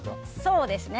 そうですね。